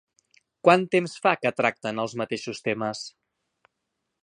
Quant temps fa que tracten els mateixos temes?